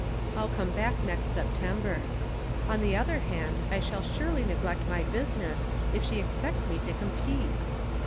I'll come back next September.' On the other hand, I shall surely neglect my business if she expects me to compete.